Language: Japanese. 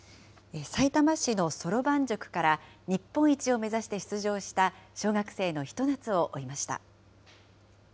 さいたま市のそろばん塾から、日本一を目指して出場した小学生のひと夏を追いました。